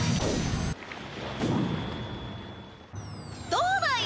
どうだい！